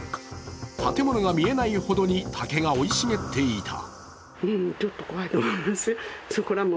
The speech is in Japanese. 建物が見えないほどに竹が生い茂っていた。